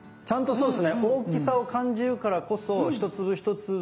そうです。